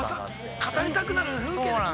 ◆語りたくなる風景ですね。